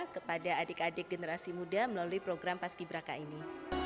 kepada adik adik generasi muda melalui program paskiberaka ini